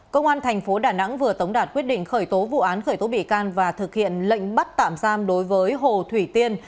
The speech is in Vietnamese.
công an thành phố đà nẵng vừa tống đạt quyết định khởi tố vụ án khởi tố bị can và thực hiện lệnh bắt tạm giam đối với hồ thủy tiên